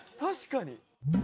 確かに。